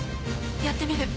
やってみる！